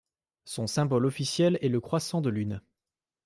Son symbole officiel est le croissant de lune.